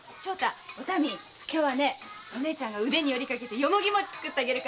今日はお姉ちゃんが腕に撚りを掛けてヨモギ餅作ってあげる！